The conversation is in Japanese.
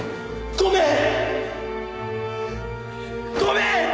ごめん！